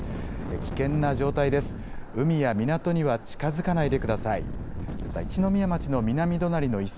危険な状態です。